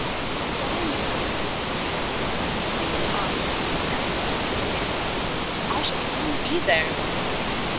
The dying boy turned towards him, and, putting his arm about his neck, made answer, 'I shall soon be there!